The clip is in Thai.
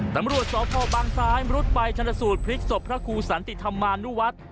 ตำรวจสพบางซ้ายมรุดไปชนสูตรพลิกศพพระครูสันติธรรมานุวัฒน์